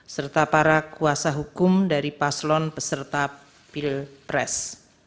serta para kuasa hukum dari paslon peserta pilpres